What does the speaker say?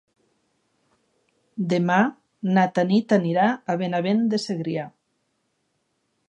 Demà na Tanit anirà a Benavent de Segrià.